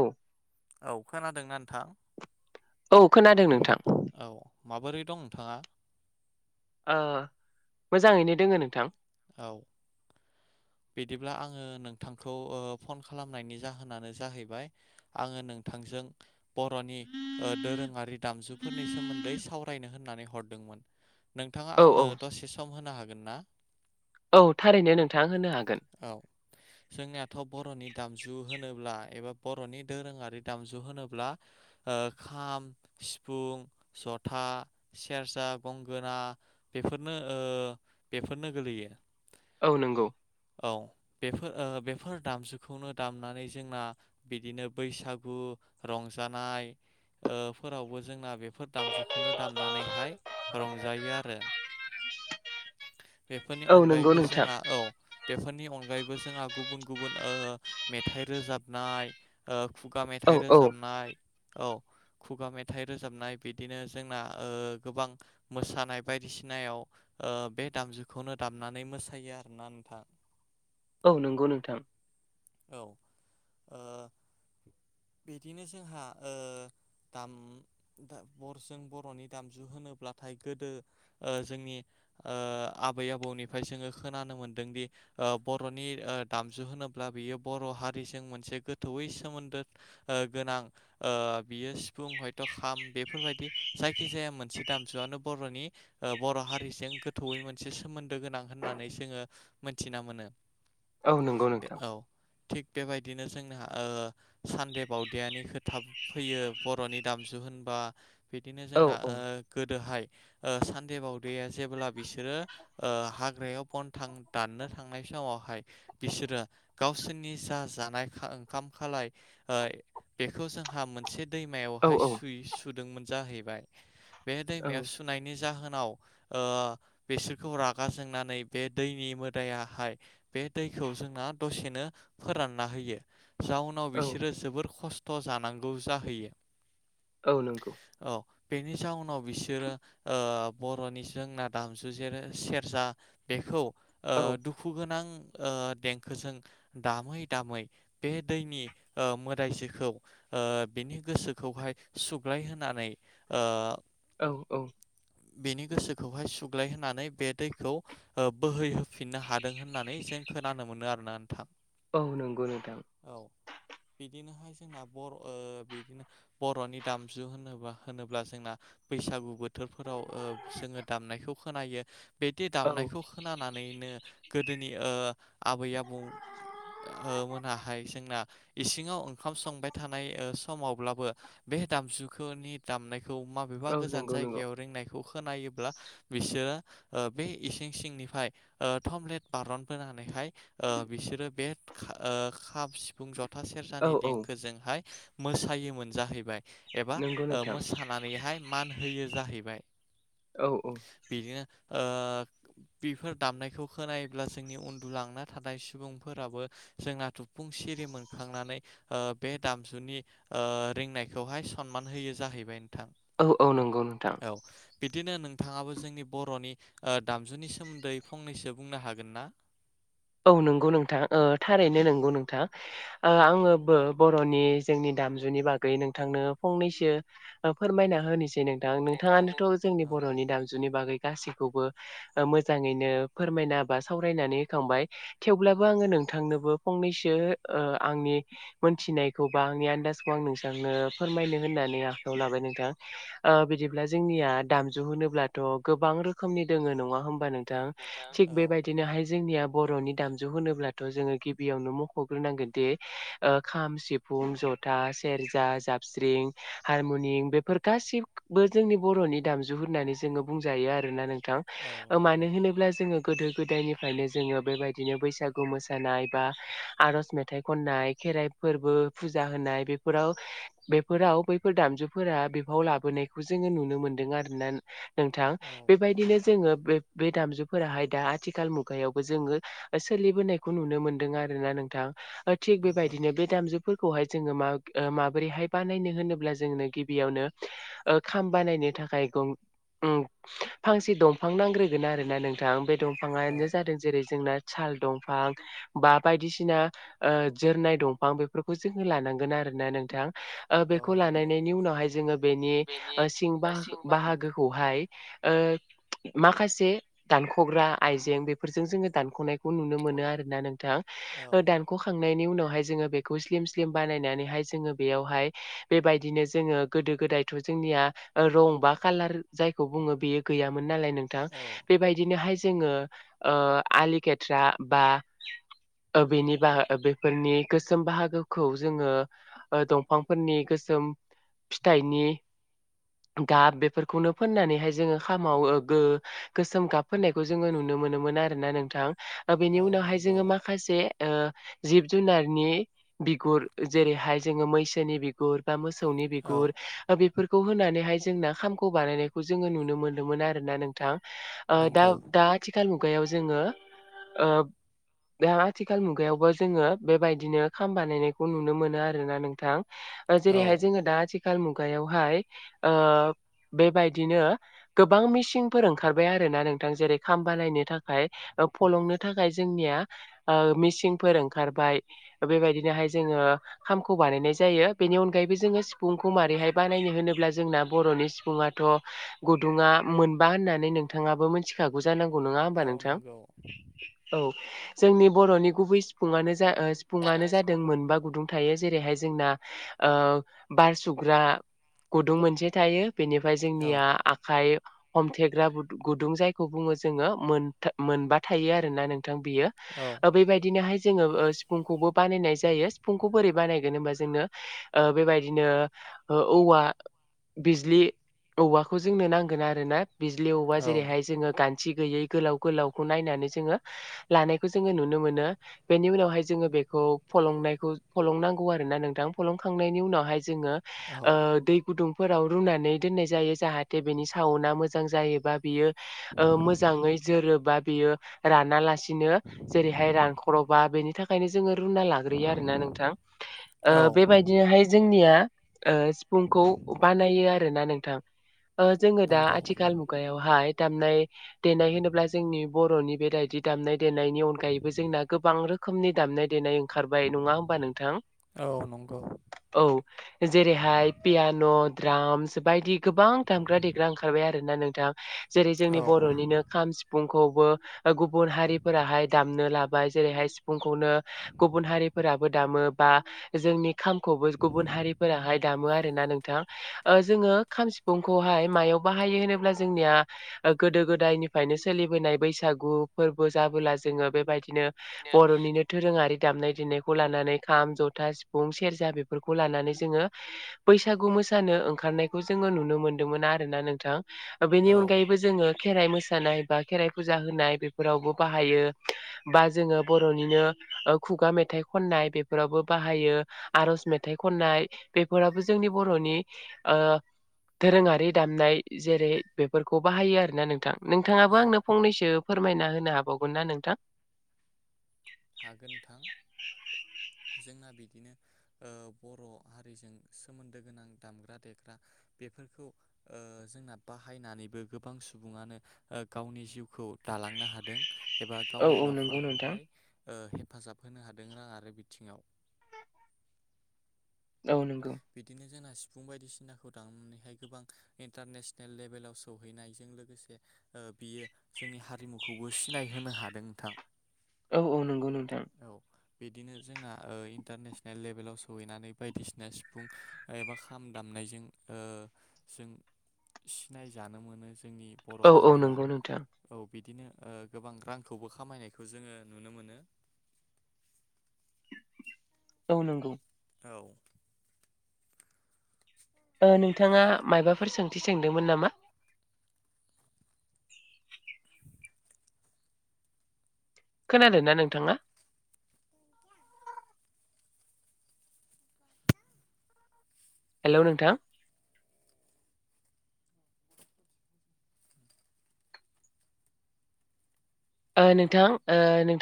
औ औ खोनादोंना नोंथां औ खोनादों नोंथां औ माबोरै दं नोंथाङा मोजाङैनो दोङो नोंथां औ बिदिब्ला आङो नोंथांखौ फन खालामनायनि जाहोनानो जाहैबाय आङो नोंथां जों बर'नि दोरोङारि दामजुफोरनि सोमोन्दै सावरायनो होननानै हरदोंमोन नोंथाङा औ औ आंनो दसे सम होनो हागोन हागोन ना औ थारैनो नोंथाङा औ जोंनिथ' बर'नि दामजु होनोब्ला एबा बर'नि दोरोङारि दामजु होनोब्ला खाम सिफुं जथा सेरजा गंगोना बेफोरनो बेफोरनो गोलैयो औ नंगौ औ बेफोर बेफोर दामजुखौनो दामनानै जोंना बिदिनो बैसागु रंजायो जानाय फोरावबो जोंना बेफोर दामजुखौनो दामनानैहाय रंजायो आरो बेफोरनि औ नंगौ अनगायैबो नोंथां जोंहा औ बेफोरनि अनगायैबो जोंहा गुबुन गुबुन मेथाइ रोजाबनाय खुगा औ मेथाइ औ रोजाबनाय औ खुगा मेथाइ रोजाबनाय बिदिनो जोंना गोबां मोसानाय बायदिसिनायाव बे दामजुखौनो दामनानै मोसायो आरोना नोंथां औ नंगौ नोंथां औ बिदिनो जोंहा दाम बर'जों बर'नि दामजु होनोब्लाथाय गोदो जोंनि आबै आबौनि फ्राय जोङो खोनानो मोन्दोंदि बर'नि दामजु होनोब्ला बियो बर' हारिजों मोनसे से गोथौयै सोमोन्दो गोनां बियो सिफुं हयथ' खाम बेफोरबायदि जायखि जाया मोनसे दामजुआनो बर'नि बर' हारिजों गोथौयै मोनसे सोमोन्दो गोनां होननानै जोङो मोनथिना मोनो औ नंगौ बे नोंथां औ थिग बेबायदिनो जोंनि सानद बावदियानि खोथा फैयो बर'नि दामजु होनबा बिदिनो औ जोंना औ गोदोहाय सानद बावदिया जेबोब्ला बिसोरो हाग्रायाव बन थां दाननो थांनाय समावहाय बिसोरो गावसोरनि जा जानाय ओंखाम खाल बेखौ जोंहा मोनसे औ दैमायावहाय औ स सु जाहैबाय बे औ दैमायाव जाहोनाव ओ बिसोर खौ रागा जोंनानै बे दैनि मोदायाहाय बे दैखौ जोंना दसेनो फोरान रानना होयो जाउनाव औ बिसोरो जोबोर खस्थ' जानांगौ जाहैयो औ नंगौ औ बेनि जाहनाव बिसोरो बर'नि जोंना दामजु जेरै सेरजा बेखौ औ दुखु गोनां देंखोजों दामै दामै बे दैनि मखौ बिनि गोसोखौहाय सुग्लाय होनानै औ औ बेनि गोसोखौहाय सुग्लाय होनानै बे दैखौ बोहैहोफिननो हादों होननानै जों खोनानो मोनो आरोना नोंथां औ नंगौ नोंथां [unintelligible] बिदिनोहाय जोंना बर' ओ बिदिनो बर'नि दामजु होनोबा होनोब्ला जोंना बैसागु बोथोरफोराव ओ जोङो दामनायखौ खोनायो बिदि औ दामनायखौ खोनानानैनो गोदोनि ओ आबै आबौ मोनाहाय जोंना इसिङाव ओंखाम संबाय थानाय ओ समावब्लाबो बे बे दामजुखौनि दामनायखौ माबेबा औ गोजान नंगौ नंगौ जायगायाव रोंनायखौ खोनायोब्ला बिसोरो ओ बे इसिं सिंनिफ्राय ओ थटमलेट बारन बोनानैहाय ओ बिसोरो बे ओ खाम सिफुं जथा औ सेरजानि औ देंखोजोंहाय मोसायोमोन जाहैबाय एबा नंगौ ओ नोंथां मोसानानैहाय मान होयो जाहैबाय औ औ बिदिनो ओ बेफोर दामनायखौ खोनायोब्ला जोंनि उन्दुलांना थानाय सुबुंफोराबो जोंना थुफुं सिरि मोनखांनानै ओ बे दामजुनि ओ रिनायखौहाय सनमान होयो जाहैबाय बेनोथां औ औ न औ बिदिनो नोंथाङाबो जोंनि बर'नि ओ दामजुनि सोमोन्दै फंनैसो बुंनो हागोन ना औ नंगौ नोंथां ओ थारैनो औ नंगौ नोंथां ओ आङोबो बर'नि जोंनि दामजुनि बागै नोंथांनो फंनैसो ओ फोरमायना होनोसै दि नोंथां नों नोंथाङानोथ' जोंनि औ बर'नि दामजुनि बागै गासैखौबो ओ मोजाङैनो फोरमायना बा सावरायनानै होखांबाय थेवब्लाबो आङो नों नोंथांनोबो फंनैसो ओ आंनि मोथिनायखौ बा आंनि आन्दाजखौ आं नोंथांनो फो रमायनो होननानै आखायाव लाबाय नोंथां ओ बिदिब्ला जोंनिया दामजु होनोब्लाथ' गोबां रो रोखोमनि दङ नङा होमबा नोंथां थिग बेबायदिनोहाय जोंनिया बर'नि दामजु होनोब्ला थ' जोङो गिबियावनो मख'ग्रोनांगोन दि ओ खाम सिफुं जथा सेरजा जा बस्रिं हारमुनियम बेफोर गासिबखोबो जोंनि बर'नि दामजु होननानै जोङो बुंजायो आरोना नों थां औ नंगौ मानो होनोब्ला जोङो गोदो गोदायनिफ्रायनो जोङो बेबायदिनो बैसागु मोसानाय बा आर'ज मेथाइ खननाय खेराइ फोरबो फुजा होनाय बेफोराव बेफोराव बैफोर दामजुफोरा बिफाव लाबोनायखौ जोङो नुनो मोनदों आरोना नोंथां औ बेबायदिनो नंगौ जोङो बे बे दामजुफोराहाय दा आथिखाल मुगायावबो जोङो सोलिबोनायखौ नुनो मोनदों आरो ना नोंथां ओ थिग नंगौ बेबायदिनो बे दामजु फोरखौहाय जोङो मा ओ माबोरैहाय बानायनो होनोब्ला जोंनो गिबियावनो ओ खाम बानायनो थाखाय दं उम फांसे दंफां नांग्रोगोन आरोन ना नोंथां बे औ दंफाङानो जादों जेरै जोंना साल दंफां बा बायदिसिना ओ जोरनाय दंफां बेफोरखौ जोङो लानांगोन आरो ना नोंथां ओ औ बेखौ नंगौ लानायनायनि उनावहाय जोङो बेनि ओ सिं बा ओ बाहागोखौहाय ओ माखासे दानख'ग्रा आइजें बेफोरजों जोङो दानख'नाय खौ नुनो बानायखौ मोनो आरोना नोंथां नुनो औ ओ दानख'खांनाय नि उनावहाय जोङो बेखौ स्लिम स्लिम बानायनानैहाय जोङो बेयावहाय बेबादिनो जोङो गोदो गोदायनि बिदिथ' जोंनिया रं बा कालार जाय बुङो बेयो गैयामोन नालाय नोंथां औ बेबायदिनो हाय जोङो ओ आलि खेथ्रा बा ओ बेनि बा बेफोरनि गोसोम बाहागोखौ जोङो दंफांफोरनि गोसोम फिथाइनि गाब बेफोरखौनो फोननानैहाय जोङो खामाव ओ गो गोसोम गाब फोननायखौ जोङो नुनो मोन मोनोमोन आरोना नोंथां बेनि औ उनावहाय नंगौ जोङो माखासे ओ जिब जुनारनि बिगुर जेरैहाय जोङो मैसोनि बिगुर बा मोस सौनि औ बिगुर बेफोरखौ होनानैहाय जोंना खामखौ बानायनायखौ जोङो नुनो मोन्दोंमोन आरोना नोंथां ओ दा नंगौ दा आथिखाल मुगायाव जोङो ओ दा आथिखाल मुगायावबो जोङो बेबायदिनो खाम बानायनायखौ नुनो मोनो आरोना नोंथां औ जेरैहाय जोङो दा आथिखाल मुगायावहाय ओ बेबायदिनो गोबां मिसिंफोर ओंखारबाय आरो नोंथां जेरै खाम बानायनो थाखाय ओ फलंनो थाखाय जोंनिया ओ मिसिंफोर ओंखारबाय बेबायदिनोहाय जोङो खामखौ बानायनाय जायो बेनि अनगायैबो जोङो सिफुंखौ मारोरैहाय बानायनो होनोब्ला जोंना बर'नि सिफुङा थ' गुदुङा मोनबा होननानै नोंथाङाबो मोनथिखागौ जानांगौ नङा होमबा औ नोंथां नंगौ औ जोंनि बर'नि गुबै सिफुंआनो ओ सिफुङानो जादों सिफुं मोनबा गुदुं थायो जेरैहाय जोंना बार सुग्रा गुदुं मोनसे थायो बेनिफ्राय औ जोंनिया आखाइ हमथेग्रा गुदुं जायखौ बुङो जोङो मोनबा थायो आरोना नों बियो औ बेबायदिनोहाय जोङो सिफुंखौबो बानायनाय जायो सिफुंखौ बोरै बानायगोन होमबा जोंनो बेबायदिनो औवा बिजलि औवाखौ जोंनो नांगोन आरो ना बिजलि औवा औ जेरैहाय जोङो गानथि गैयै गोलाव गोलाव नायनानै जोङो लानायखौ जोङो नुनो मोनो बेनि उनावहाय जोङो बेखौ फलंनायखौ फलंनांगौ आरो ना नोंथां फलंखांनायनि उनावहाय जोङो औ दै गुदुंफोराव रुनानै दोननाय जायो जाहाथे बेनि साउनाआ मोजां जायोबा बियो मोजां मोजाङै जोरोबा बेयो राना लासिनो जेरैहाय रानख्रबा बेनि थाखायनो जोङो रुना लाग्रोयो आरोना नोंथां औ बेबायदिनोहाय जोंनिया सिफुंखौ बानायो आरो ना नोंथां जोङो दा नंगौ आथिखाल मुगायावहाय दामनाय देनाय होनोब्ला जोंनि बर'नि बेबायदि दामनाय देनायनि अनगायैबो जोंना गोबां रोखोमनि दामनाय देनाय ओंखारबाय नङा होमबा नोंथां औ नंगौ औ जेरैहाय पियान' द्रामस बायदि गोबां दामग्रा देग्रा ओंखारबाय आरो ना नोंथां जेरै औ जोंनि बर'निनो खाम सिफुंखौ गुबुन हारिफोराहाय दामनो लाबाय जेरैहाय सिफुंखौनो गुबुन हारिफोराबो दामो बा जोंनि खामखौबो गुबुन हारिफोराहाय दामो आरोना नोंथां जोङो खाम सिुखौहाय मायाव बाहायो होनोब्ला जोंनिया गोदो गोदायनिफ्रायनो सोलिबोनाय बैसागु फोरबो जाबोला जोङो बेबायदिनो बिदिनो बर'निनो दोरोङारि दामनाय देनायखौ लानानै खाम जथा सिफुं सेरजा बेफोरखौ लानानै जोङो बैसागु मो मोसानो ओंखारनायखौ जोङो नुनो मोन्दोंमोन आरोना नोंथां बेनि औ अनगायैबो जोङो खेराइ मोसानाय बा खेराइ फुजा होनाय बेफोरावबो बाहायो बा जोङो बर'निनो खुगा मेथाइ खननाय बेफोरावबो बाहायो आर'ज मेथाइ खननाय बेफोराबो जोंनि बर'नि ओ दोरोङारि दामनाय जेरै बेफोरखौ बाहायो आरोना नोंथां नोंथाङाबो औ आंनो फंनैसो फोरमायना होनो हाबावगोन ना नोंथां हागोन नोंथां जोंना बिदिनो बर' हारिजों सोमोनदो गोनां दामग्रा देग्रा बे बेफोरखौ ओ जोंना बाहायनानैबो गोबां सुबुङानो ओ गावनि जिउखौ दालां नो हादों एबा औ गावनि औ नंगौ नोंथां न'खरखौहाय ओ हेफाजाब होनो हादों रांङारि बिथिङाव। औ नंगौ बिदिनो जोंना सि फुं बायदिसिनाखौ दांमनानैहाय गोबां इन्टारनेसनेल लेभेलाव सौहैनायजों लोगोसे ओ बियो जोंनि हारिमुखौबो सिनाय होनो हादों नोंथां। औ औ नंगौ नोंथां। औ बिदिनो जोंना ओ इन्टारनेसनेल लेभेलाव सहैनानै बायदि सिना सिफुं एबा खाम दामनायजों ओ जों सिनायजानो मोनो जोंनि बर' औ औ हारिया नंगौ नोंथां औ बिदिनो गोबां रांखौबो खामायनायखौ जोङो नुनो मोनो। [inaudible] औ नंगौ औ ओ नोंथाङा माबाफोर सोंथि सोंदोंमोन नामा? खोनादों ना नोंथाङा? हेल' नोंथां। ओ नोंथां ओ नोंथां